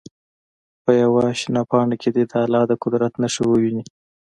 په یوه شنه پاڼه کې دې د الله د قدرت نښې وګوري.